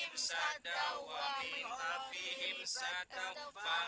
bagai mbah seekub ngajak